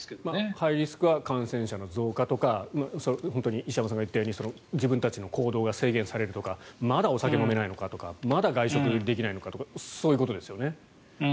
ハイリスクは感染者の増加とか石山さんが言ったように自分たちの行動が制限されるとかまだお酒、飲めないのとかまだ外食できないのかとかそういうことですよね。